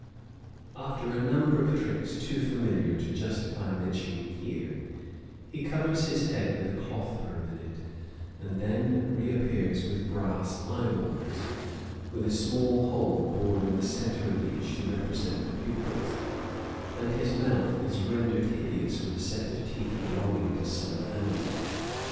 After a number of tricks too familiar to justify mentioning here he covers his head with a cloth for a minute, and then reappears with brass eyeballs, with a small hole bored in the centre of each to represent the pupils; and his mouth is rendered hideous with a set of teeth belonging to some animal.